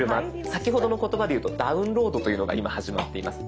先ほどの言葉でいうとダウンロードというのが今始まっています。